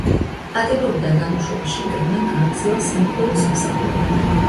პატიმრობიდან გამოშვების შემდეგ მან გააგრძელა სამღვდელო სამსახური.